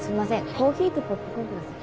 コーヒーとポップコーンください